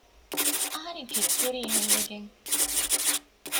އަހަރެން ކެތް ކުރީ އެހެންވެގެން